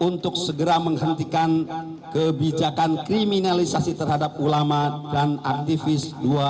untuk segera menghentikan kebijakan kriminalisasi terhadap ulama dan aktivis dua ribu dua puluh